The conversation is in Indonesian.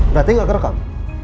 berarti gak kerekam